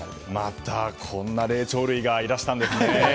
また、こんな霊長類がいらしたんですね。